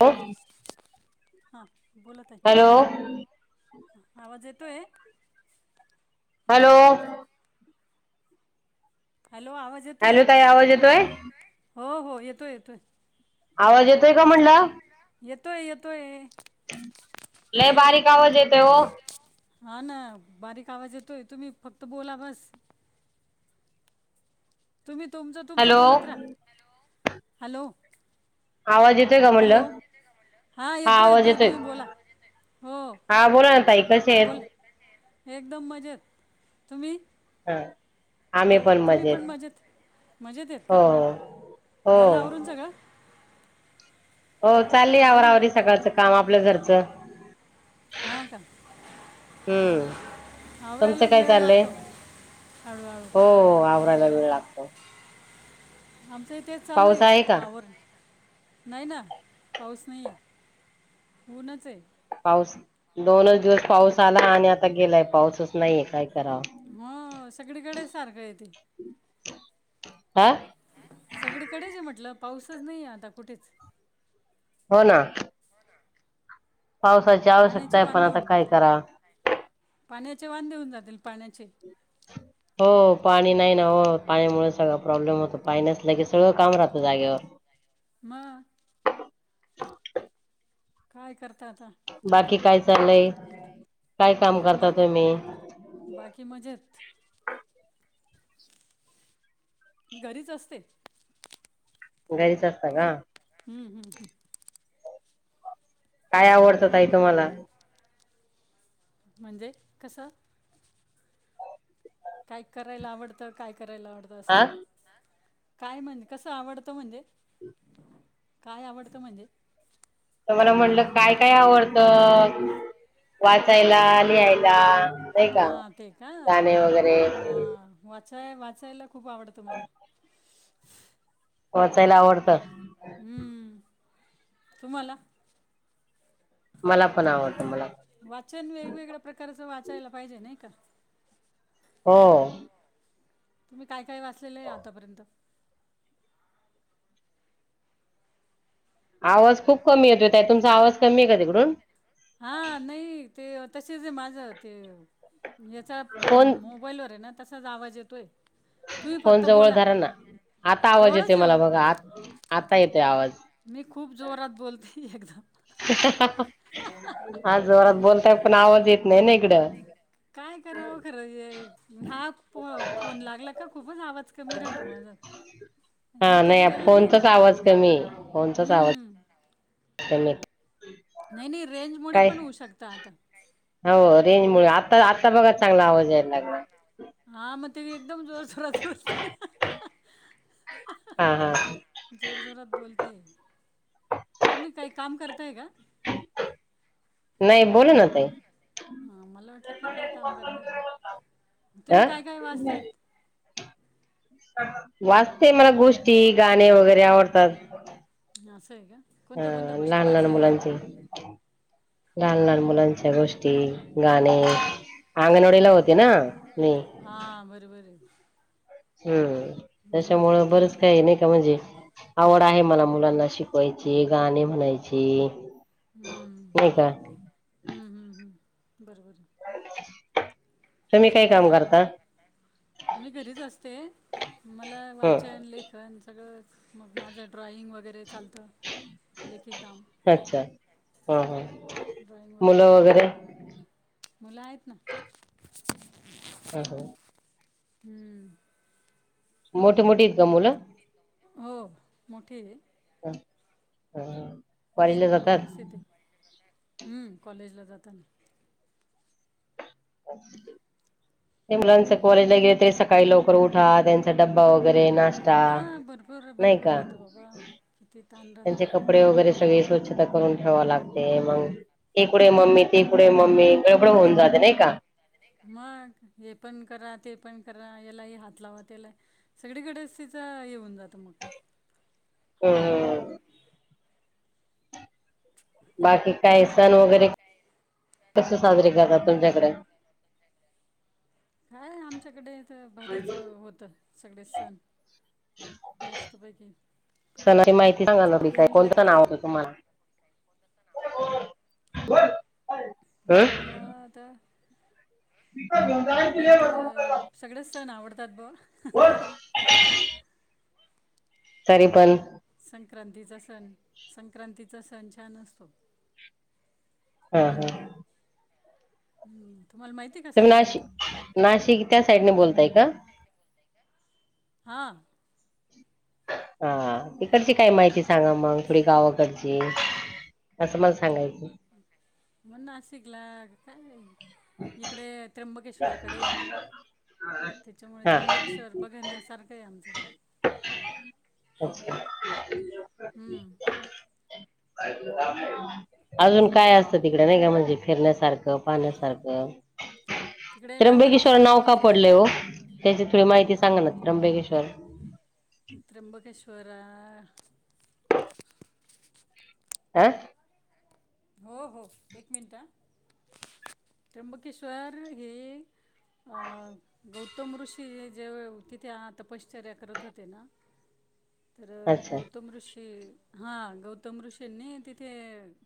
Hello! हा बोला ताई. हॅलो आवाज येतोय? हॅलो! हॅलो आवाज येतोय हॅलो! काय आवाज येतोय? हो हो, येतोय येतोय. आवाज येतोय, का म्हणल? येतोय येतोय. लय हॅलो बारीक आवाज येतोय ओ. हा ना, बारीक आवाज येतोय तुम्ही फक्त बोला बसं. तुम्ही तुमचं तुमचं हॅलो बोलत राहा, हॅलो! आवाज येतोय का म्हटलं हॅलो हां हा आवाज येतोय तुम्ही बोला हो हा बोला ना त कस आहेत बोला एकदम मजेत तुम्ही ह तुम्ही पण मजेत मजेत येत हो का हो झाला आवरून सगळं हो चालली आव आवरून आवरी सकाळचं काम आपल्या घरचं हा का हम्म तुमचं आवरायलाच काय वेळ चाललंय लागतो हळूहळू हो आवरायला वेळ लागतो आमचं इथेच चालू पाऊस आहे का आवरण नाही ना पाऊस नाहीे ऊनच आहे पास दोनच दिवस पाऊस आला आणि आता गेलाय पाऊसच नाहीये काही हो सगळीकडे सारखं आहेेत हा सगळीकडेच आहे म्हटलं पाऊसच नाहीे आता कुठेच हो ना पावसाची आवश्यकता पाण्याचे आहे पण वांदे आता होऊन काय करा चे वान देऊन जातील पाण्याचे ह हो पाणी नाही ना हो पाणीमुळे सगळं प्रॉब्लेम होतो पाणी नसलं की सगळं काम राहतं जागेवर म ह काय करते बाकी काय चाललंय काय काम करता बाकी तुम्ही बाकी म्हजेत मी घरीच असते गरी सरतग हम्म, हम्म, हम्म. काय आवडतात आहे तुम्हाला म्हणजे, कस? काय करायला आवडतं? काय करायला आवडत? असं हा काय म्हणजे, कसं आवडत म्हणजे? काय आवडतं म्हणजे? तर मला म्हटलं काय काय आवडत? वाचायला, लिहायला नाही का हा. ते का? गाणे वगैरे हा वा वाचाय, वाचायला खूप आवडतं मला वाचायला आवडत. हम्म. तुम्हाला? मला पण आवडतं मला वाचन, वेगवेगळ्या प्रकारच वाचायला पाहिजे नाही का? हो तुम्ही काय काय वाचलेलं आहे आतापर्यंत? आवाज खूप कमी येतोय, त्यात तुमचा आवाज कमी आहे का तिकडून? हा नाही ते तसेच माझं ते याचा फोन मोबाईलवर आहे ना तसाच आवाज येतोय तुम्ही फोन फक्त जवळ बोला धरा ना आता आवाज येते जवळच आहे मला हो बघा आ आता येते आवाज मी खूप जोरात बोलते एकदम आज जोरात बोलताय पण आवाज येत नाही ना इकडं काय कराव खरं ये हा फोन लागला का खूपच आवाज कमी राहा तुम्हाला [unintelligible] हा. नाही. फोनचाच आवाज कमीए. फोनचाच आवाज हम्म [unintelligible] नाही. नाही. रेंज मु काय पण होऊ शकता आता हो रेंज मुळ, आता आत्ता बघा चांगला आवाज यायला लागलाय. हा. मग ते एकदम जोरशोरात होते हा हा जोर जोरात बोलते, तुम्ही काही काम करता नाही. बोलू ना ताई हा. मला वाटलं का काही काम करताय. तुम्ही अ काय काय वाचताय? वाचते. मला गोष्टी, गाणे वगैरे आवडतात. असं आहे का? अ कोणत्या कोणत्या गोष्टी लहान लहान वाचलेल्या आहे? मुलांचे लहान लहान मुलांच्या गोष्टी, गाणे. हां अंगणवाडीला होते ना. मी हा. बरोबरए. हम्. त्याच्यामुं बरंच तुम्हाला काही, नाही का म्हणजे आवड आहे मला मुलांना शिकवायची, गाणी म्हणायची हम्म. नाही का हम्म हम्म हम्म, बरोबर तुम्ही काय काम चांगलंय. करता मी घरीच असते मला हम्म वाचन, लेखन, सगळं. मग माझं ड्रॉईंग वगैरे चालतं तर लेखी काम ह हा. ड्रॉइंग मुलं काढते वगैरे? मुलं आहेत ना. हा. हा. हम्म मोठी, मोठी का मुलं हो. मोठी ह सगळं व्यवस्थित आहे. हम्म कॉलेजला जाताना मुलांच कॉलेज ला गेले, तरी सकाळी लवकर उठा त्यांचा डब्बा वगैरे नाष्टा. हां भरपूर नाही भरपूर का? राहतो बाबा किती ताण राहतो त्यांचे कपडे वगैरे सगळे स्वच्छता करून ठेवा लागते, मग तिकुडेे मम्मी तीकुठे मम्मी. पुढ होऊन जाते नाही का? मग. हे पण करा, ते पण करा, यालाही हात लावा, त्याला सगळीकडेच तच च येऊन जातं मग [inaudible] ह हम्म बाकी काय सण पूर्ण वगैरे कसे साजरीे करतात तुमच्याकडे काय आमच्याकडे तर भारीच होतं सगळे सण मस्त भाघे स माहिती सांगाी काय कोणतं नाव करतात होतं तुम्हाला बोल आमला आता आमला तर सगळेच सण आवडतात ब सरी पण संक्रांतीचा सण छान असतो हा हा हम्म तुम्हाला माहिती आहे का तुम्ही संक्रांत नाशिक, नाशिक त्या साईडने बोलताय का? हा हा. तिकडची काय माहिती सांगा, मग थोडी गावकडची असं मला सांगायचं. म्हण नाशिकला काय इकडे त्र. [unintelligible] त्याच्यामुळे हा त्र्यंबक्षर बघण्यासारखं आहे आमचं. अच्छा. हम्म, अजून काय असत तिकडे नाही का म्हणजे फिरण्यासारखं पाहण्यासारखं. तिकडे ना वरती त्र्यंबकेश्वर नाव का ब्रह्मगिरी पडलंय आहे. हो त्याची थोडी माहिती. सांग ना त्र्यंबकेश्वर. त्र्यंबकेश्वर. आह. हो हो एक मिनिट त्र्यंबकेश्वर हे. अं गौतम ऋषी जे तिथे तपश्चर्य करत होते ना. [inaudible] तर अच्छा गौतम ऋषी हा गौतम ऋषीनी तिथे.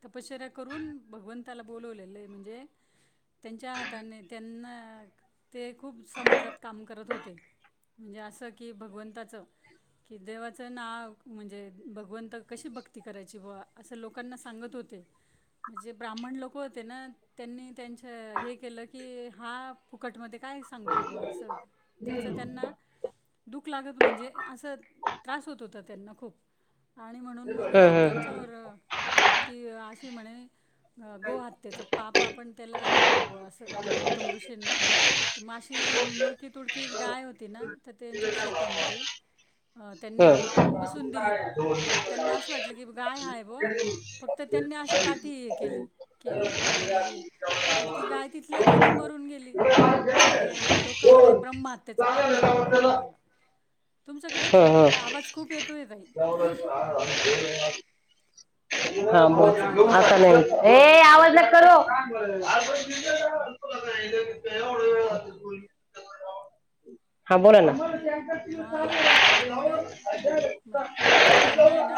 अपचऱ्या करून भगवंताला बोलवलेले आहे म्हणजे त्यांच्या हाताने त्यांना. ते खूप समाजात काम करत होते म्हणजे असं की भगवंताचं. कि देवाचं नाव म्हणजे भगवंत कशी भक्ती करायची बावा असं लोकांना सांगत होते. [inaudible] म्हणजे ब्राह्मण लोक होते ना त्यांनी त्यांच्या हे केलं की हा फुकटमध्ये. काय सांगतोय ब असं त्याचं त्यांना. दुःख लागत म्हणजे असं त्रास होत होता त्यांना खूप. आणि म्हणून मग हम्म हम्म त्यांच्यावर की अशी म्हणे, गोहतेचं पाप आपण त्याला हे करू ग असं गौतम ऋषींना. तर माशी मुडकी तुडकी गाय होती ना तर त्यांच्या शेतामध्ये त्यांनी बसून दिली मग त्यांना असं वाटलं की गाय हाय ब फक्त त्यां. ह [inaudible] केली कि उगारली तर ती गाय तिथल्या तिथे मरून गेली. ते लोक म्हणे ब्रह्महत्यचं पाप लागलं बावा तुम्हाला तुमच्याकडे आवाज खूप येतो येत आहे. हा आवाज ब खूप येतो आहे असं नाही म्हटलं हे आवाज न करू [unintelligible] हा बोला ना. हां मग त्यांनाय ना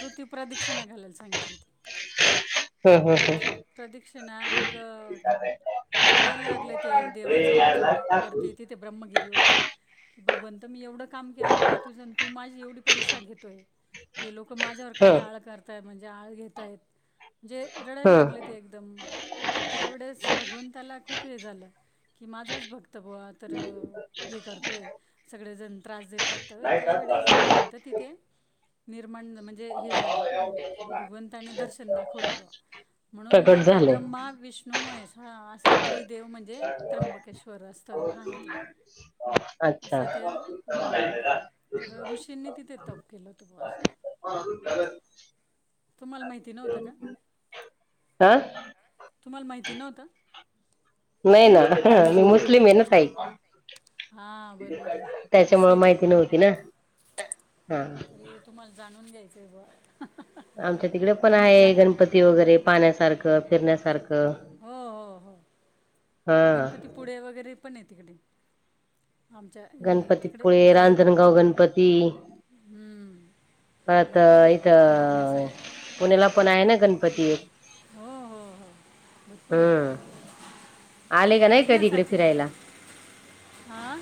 पृथ्वी प्रदक्षिणा घालायला सांगितली ते. हं हं हं पृथ्वी प्रदी. ना मग रडायला लागले ते देवा जवळ वती तिथे ब्रममगिरी भगवंत मी एवढ. का के त तू माझी एवढी परीक्षा घेतोय हे लोक माझ्यावर काय हं आळ करताय म्ह आळ घेतयत. जे रडायला हं लागले ते एकदम तर त्यावेेळेस भगवंताला खूप हे झालं.. की माझाच भक्त बवा तर हे करतोय सगळेजण त्रास देत. तर तर त्यावेेळेस भगवंत तिथे. म्हणजे हे झालं भगवंतानी दर्शन दाखवलं. म्हणून प्रकट मग झालंय ब्रह्मा विष्णू महेश असं त्रि. आहे ते [unintelligible] असं त्या तर ऋषींनी तिथे तप केलं होत बो असं. हो. तुम्हाला माहिती नव्हतं का आा. तुम्हाला माहिती नव्हतं. नाही ना मी नाही मुस्लिम आहे का ना साही. हां बरोबर आहे असं त्याच्यामुळे आहे का माहिती नव्हती ना हा तरी तुम्हाला जाणून घ्यायचंय ब. आमच्या तिकडे पण आहे गणपती वगैरे पाहण्यासारखं फिरण्यासारखं. हो हो हो हा गणपतीपुळे वगैरे. पण आहे तिकडे. आमच्या तिकडे गणपतीपुळे खाली. रांजणगाव गणपती पर आता भरपूर आहे इथं बघण्यासारखं पुण्याला पण आहे ना गणपती. हो हो हो भरपूर आहे हम्म. आले का नाही का तिकडे फिरायला बघण्यासारखं हां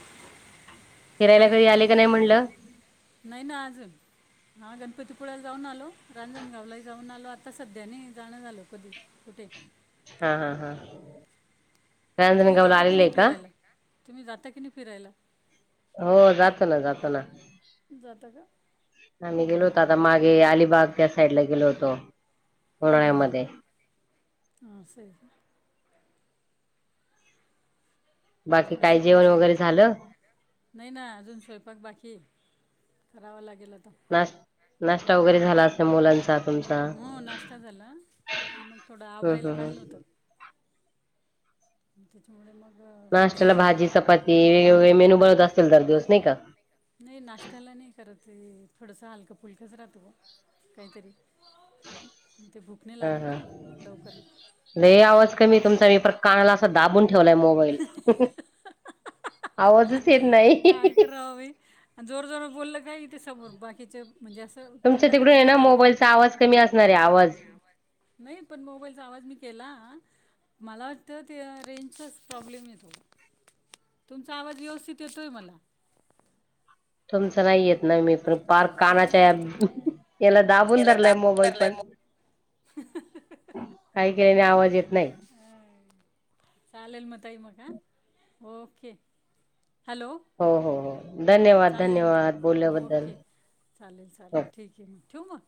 करायला कधी आले का नाही म्हणलं. नाही ना आ. जून हा गणपतीपुळला जाऊन आलो रांजणगावला जाऊन आलो आता सध्या नाही जाणं झा आलो कधी. ते [unintelligible] हा हा हा. तुम्ही रांजणगावला जाता की आलेलं नाही आहे का फिरायला तुम्ही जाता की नाही फिरायला. हो जात ना जात ना. जाता का आ म्ी गेलो होतो हम्म. आता मागे अलिबाग त्या साइड ला गेलो होतो. हम्म उन्हाळ्यामध्ये ह स. बाकी थोडस काय जेवण फिरलं न वगैरे तो झालं नाही ना अजून स्वयंपाक बाकी. करावा लागेलता. नाश नाश्ता वगैरे झाला असत मुलांचा. तुमचा हो नाश्ता झाला मग थोडं हं आवरायला हं हं काढलं होतं. त्याच्यामुळे मग. अ, नाशत्याला म्हटलं भाजी चपाती वेगवेगळे मेन्यू बनत असेतील दर दिवस नाही का. नाही नाश्त्याला नाही करत ते थोडंसं हलकं फुलकंच राहतो ग काहीतरी. [inaudible] ते भूक नाही ह लागत हा ना हो, लवकर हे आवाज कमी तुमचा विर कानाला दाबून ठेवलाय मोबाईल आवाज. काय करा हवे जोर जोर बोललं काही. ते समोर बाकीच म्हणजे असं तुमच्या तोंडाकडे तिकडून आहे ना बघून राहिल का. मोबाईलचा आवाज कमी असणार आहे आवाज. नाही पण मोबाईलचा आवाज मी. केला मला वाटतं ते रेंजचाच प्रॉब्लेम य थोडा. तुमचा आवाज व्यवस्थित येतोय मला. तुमचं नाही येत ना मी पण. पार्क हा कानाच्या ना काय याला दाबून धरलाय मोबाईल पण. काही केल्याने आवाज येत नाही. अ चालेल, म ताई मग ह ओके! हॅलो हो हो हो, हां धन्यवाद चालेल मग धन्यवाद! ताई बोलल्या बद्दल. ओके चालेल चालेल, ठीक आहे म ठेवू मग.